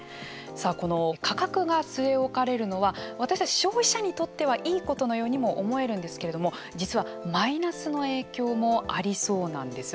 さあ、この価格が据え置かれるのは私たち消費者にとってはいいことのようにも思えるんですけれども実はマイナスの影響もありそうなんです。